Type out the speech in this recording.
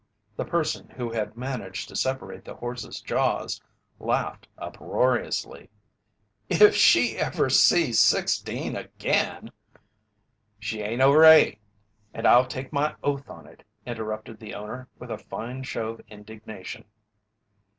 The person who had managed to separate the horse's jaws laughed uproariously: "If she ever sees sixteen again " "She ain't over eight, and I'll take my oath on it," interrupted the owner, with a fine show of indignation.